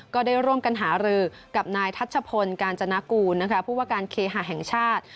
ก็ได้ร่วมกันหารือกับนายทัชพลกาญจนากูลผู้ว่าการเคหาแห่งชาติ